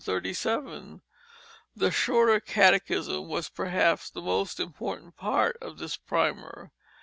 The Shorter Catechism was, perhaps, the most important part of this primer.